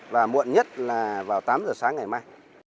và muộn nhất là vào tám giờ sáng ngày mai